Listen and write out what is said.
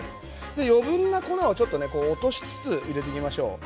余分な粉を落としつつ入れていきましょう。